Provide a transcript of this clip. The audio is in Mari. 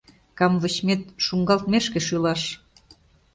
Камвочмет, шуҥгалтмешке шӱлаш.